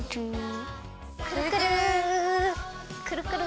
くるくるくるくる。